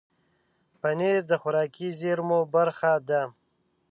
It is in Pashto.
پنېر د خوراکي زېرمو برخه ده.